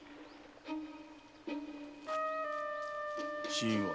死因は？